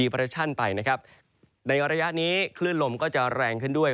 ไปนะครับในอันระยะนี้คลื่นลมก็จะแรงขึ้นด้วย